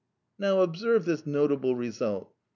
Now observe this notable result.